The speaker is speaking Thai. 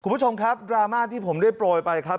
คุณผู้ชมครับดราม่าที่ผมได้โปรยไปครับ